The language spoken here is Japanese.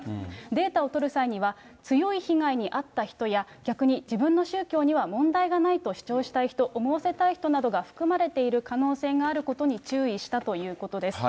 データを取る際には、強い被害に遭った人や、逆に自分の宗教には問題がないと主張したい人、思わせたい人などが含まれている可能性があることに注意したということです。